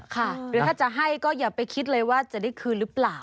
หรือถ้าจะให้ก็อย่าไปคิดเลยว่าจะได้คืนหรือเปล่า